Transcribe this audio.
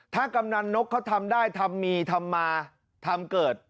ถ้ากำนันนกเขาทำได้ทำมีทำมาทำเกิด